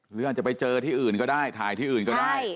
หรืออาจจะไปเจอที่อื่นก็ได้ถ่ายที่อื่นก็ได้